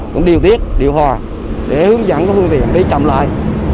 cũng điều tiết điều hòa để hướng dẫn phương tiện đi chậm lại